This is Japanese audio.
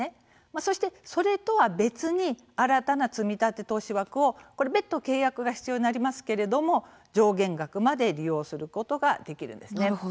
そして、それとは別に新たなつみたて投資枠を別途契約が必要になりますけれども上限額まで利用することができるんですね。